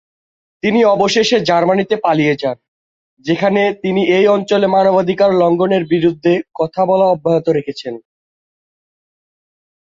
তিনি অবশেষে জার্মানিতে পালিয়ে যান, যেখানে তিনি এই অঞ্চলে মানবাধিকার লঙ্ঘনের বিরুদ্ধে কথা বলা অব্যাহত রেখেছেন।